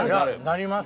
なります。